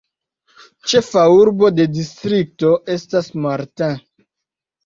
Ĉefa urbo de distrikto estas Martin.